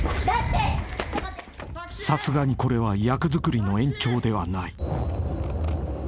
［さすがにこれは役作りの延長ではない］